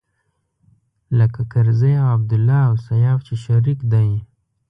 لکه کرزی او عبدالله او سياف چې شريک دی.